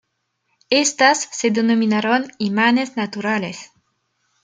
Estas se denominaron imanes naturales.